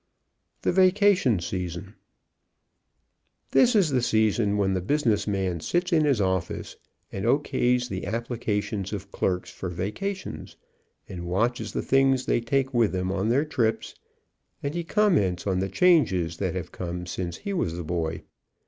THE VACATION SEASON. This is the season when the business man sits in his office and O. K.'s the applications of clerks for vacations, and watches the things they take with them on their trips, and he comments on the changes that 1 86 THE VACATION SEASON have come since he was a boy.